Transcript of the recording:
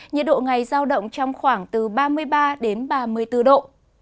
nhiệt độ ngày giao động trong khoảng từ ba mươi ba đến ba mươi bốn độ